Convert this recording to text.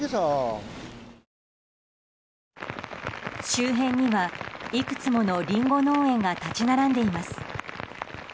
周辺にはいくつものリンゴ農園が立ち並んでいます。